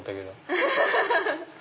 アハハハ！